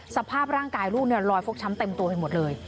สภาพร่างกายลูกเนี่ยรอยฟกช้ำเต็มตัวไปหมดเลย